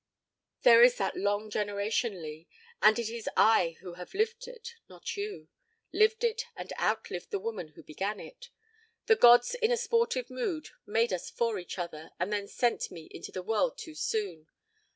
"There is that long generation, Lee. And it is I who have lived it, not you. Lived it and outlived the woman who began it. The gods in a sportive mood made us for each other and then sent me into the world too soon.